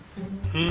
うん。